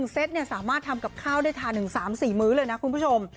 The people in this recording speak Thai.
เซตสามารถทำกับข้าวได้ทานถึง๓๔มื้อเลยนะคุณผู้ชม